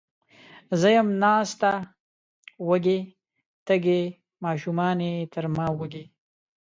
زه یم ناسته وږې، تږې، ماشومانې تر ما وږي